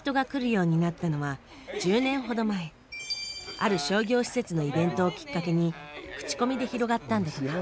ある商業施設のイベントをきっかけに口コミで広がったんだとか。